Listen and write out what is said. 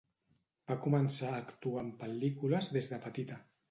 Va començar a actuar en pel·lícules des de petita.